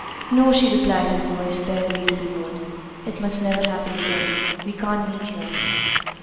"No!" she replied, in a voice barely to be heard. "It must never happen again. We can't meet here."